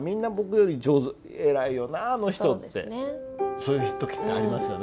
そういう時ってありますよね。